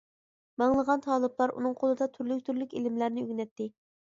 مىڭلىغان تالىپلار ئۇنىڭ قولىدا تۈرلۈك-تۈرلۈك ئىلىملەرنى ئۆگىنەتتى.